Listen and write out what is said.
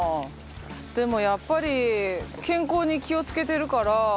でもやっぱり健康に気をつけてるから。